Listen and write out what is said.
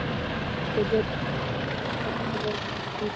طبیعت د خپګان د ناروغۍ لپاره تر ټولو ارزانه او ګټور درمل دی.